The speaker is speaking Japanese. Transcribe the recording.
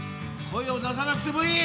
声を出さなくてもいい。